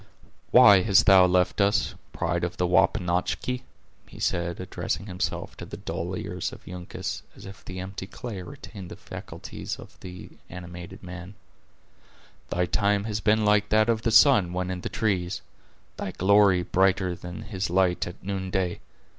"Why hast thou left us, pride of the Wapanachki?" he said, addressing himself to the dull ears of Uncas, as if the empty clay retained the faculties of the animated man; "thy time has been like that of the sun when in the trees; thy glory brighter than his light at noonday.